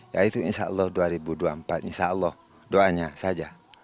ya itu insya allah dua ribu dua puluh empat insya allah doanya saja